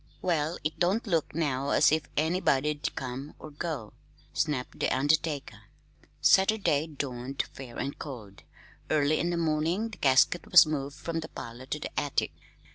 "Well, it don't look now as if anybody'd come or go," snapped the undertaker. Saturday dawned fair and cold. Early in the morning the casket was moved from the parlor to the attic.